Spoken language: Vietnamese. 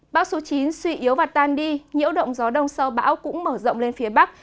bão số chín suy yếu và tan đi nhiễu động gió đông sau bão cũng mở rộng lên phía bắc